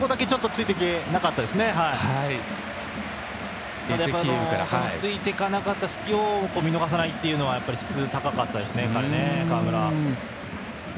ついていけなかった隙を見逃さないというのは川村の質が高かったですね。